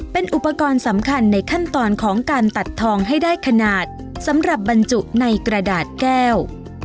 เป็นอุปกรณ์สำคัญในขั้นตอนของการตัดทองให้ได้ขนาดสำหรับบรรจุในกระดาษแก้ว